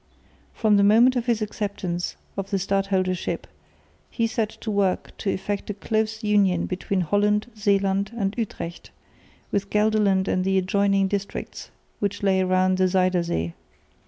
From the moment of his acceptance of the stadholdership he set to work to effect a close union between Holland, Zeeland and Utrecht with Gelderland and the adjoining districts which lay around the Zuyder Zee.